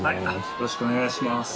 よろしくお願いします